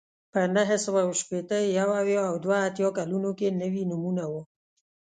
په نهه سوه شپېته، یو اویا او دوه اتیا کلونو کې نوي نومونه وو